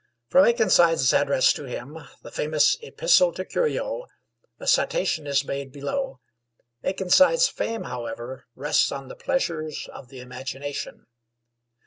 From Akenside's address to him, the famous 'Epistle to Curio,' a citation is made below. Akenside's fame, however, rests on the 'Pleasures of the Imagination.'